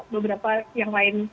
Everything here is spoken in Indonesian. beberapa yang lain